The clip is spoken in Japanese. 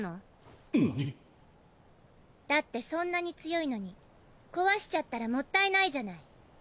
だってそんなに強いのに壊しちゃったらもったいないじゃない。